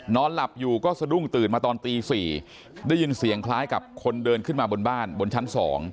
หลับอยู่ก็สะดุ้งตื่นมาตอนตี๔ได้ยินเสียงคล้ายกับคนเดินขึ้นมาบนบ้านบนชั้น๒